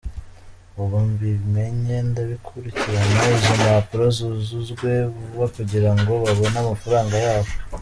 Ubwo mbimenye ndabikurikirana izo mpapuro zuzuzwe vuba kugira ngo babone amafaranga yabo.